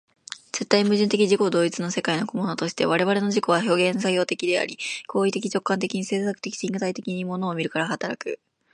絶対矛盾的自己同一の世界の個物として、我々の自己は表現作用的であり、行為的直観的に制作的身体的に物を見るから働く。